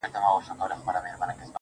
او خپل سر يې د لينگو پر آمسا کښېښود~